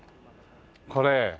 これ。